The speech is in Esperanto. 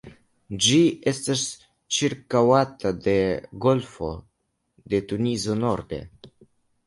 Ĝi estas ĉirkaŭata de la Golfo de Tunizo norde.